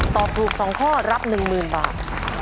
ตอบถูก๒ข้อรับ๑๐๐๐บาท